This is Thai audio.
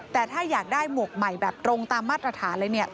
แต่ถ้าอยากได้หมวกใหม่แบบตรงตามมาตรฐานเลยเนี่ย